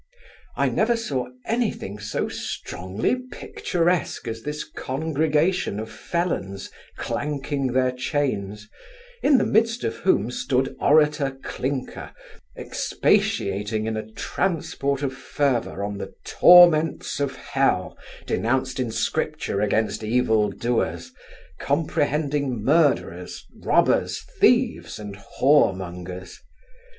I never saw any thing so strongly picturesque as this congregation of felons clanking their chains, in the midst of whom stood orator Clinker, expatiating in a transport of fervor, on the torments of hell, denounced in scripture against evil doers, comprehending murderers, robbers, thieves, and whore mongers.